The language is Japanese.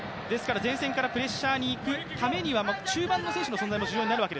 前線からプレッシャーにいくためには中盤の選手の存在も大事になると。